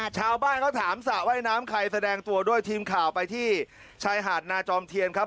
ชาวบ้านเขาถามสระว่ายน้ำใครแสดงตัวด้วยทีมข่าวไปที่ชายหาดนาจอมเทียนครับ